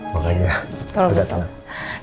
makanya agak telat